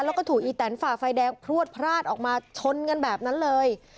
แล้วก็ถูกอีแตนฝ่าไฟแดงพลวดพลาดออกมาชนกันแบบนั้นเลย